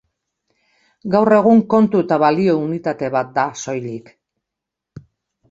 Gaur egun kontu eta balio unitate bat da soilik.